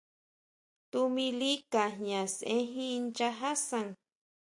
Tuʼmili Ka jña sejin nchaja san.